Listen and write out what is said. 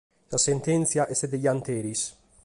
Sa sentèntzia est de gianteris.